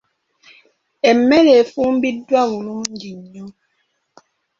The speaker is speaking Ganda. Emmere efumbiddwa bulungi nnyo.